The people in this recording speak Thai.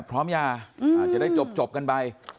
ทรัพย์สินที่เป็นของฝ่ายหญิง